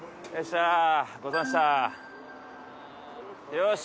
よし！